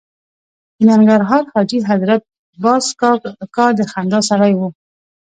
د ننګرهار حاجي حضرت باز کاکا د خندا سړی و.